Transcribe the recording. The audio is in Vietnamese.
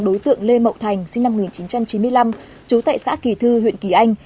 đối tượng lê mậu thành sinh năm một nghìn chín trăm chín mươi năm trú tại xã kỳ thư huyện kỳ anh